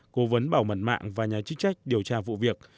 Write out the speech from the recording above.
cố vấn bảo mật mạng và nhà chức trách điều tra vụ việc